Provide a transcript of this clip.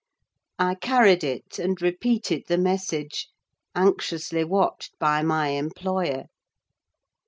I carried it, and repeated the message; anxiously watched by my employer.